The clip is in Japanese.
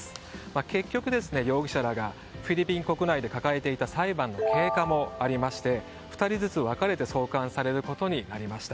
結局、容疑者らがフィリピン国内で抱えていた裁判の経過もありまして２人ずつ分かれて送還されることになりました。